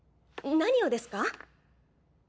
何をですか？